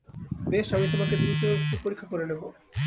বেশ, আমি তোমাকে দ্রুত একটু পরীক্ষা করে নেবো।